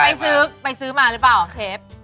ไปซื้อมาหรือเปล่าเทป